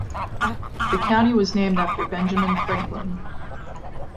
The county was named after Benjamin Franklin.